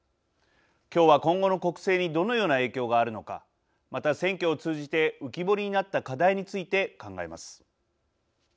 今日は今後の国政にどのような影響があるのかまた選挙を通じて浮き彫りになった課題について考えます。